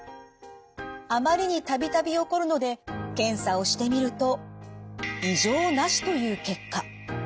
あまりに度々起こるので検査をしてみると異常なしという結果。